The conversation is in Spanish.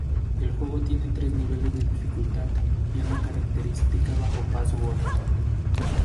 El juego tiene tres niveles de dificultad y una característica bajo password.